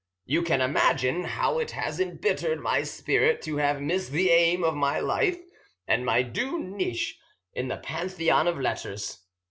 You can imagine how it has embittered my spirit to have missed the aim of my life and my due niche in the pantheon of letters.